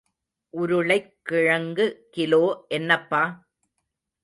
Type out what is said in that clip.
உருளைக் கிழங்கு கிலோ என்னப்பா...?